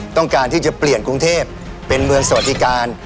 ต้องการที่จะเปลี่ยนกรุงเทพเป็นเมืองสวัสดิการ